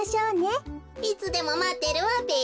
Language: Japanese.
いつでもまってるわべ。